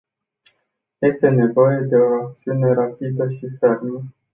Este nevoie de o acțiune rapidă și fermă.